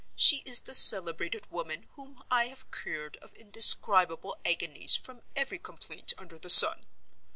She is the celebrated woman whom I have cured of indescribable agonies from every complaint under the sun.